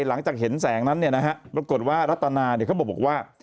หลังจากเห็นแสงนั้นเนี่ยนะฮะปรากฏว่ารัตนาเนี่ยเขาบอกว่า